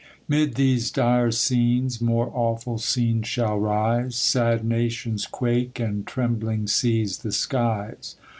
MID these dire scenes, more awful scenes shall rise ; Sad nations quake, and trembling seize the skies.